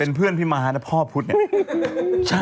เป็นเพื่อนพี่ม่านะพ่อพุทธ